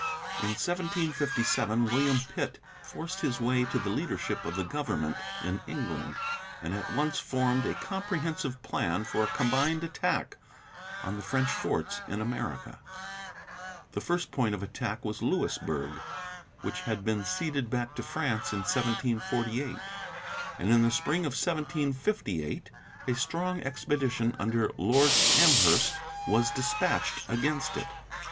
In 1757 William Pitt forced his way to the leadership of the government in England, and at once formed a comprehensive plan for a combined attack on the French forts in America. The first point of attack was Louisburg, which had been ceded back to France in 1748, and in the spring of 1758 a strong expedition under Lord Amherst was dispatched against it.